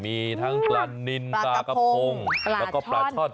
มีทั้งปลานินปลากระพงแล้วก็ปลาช่อน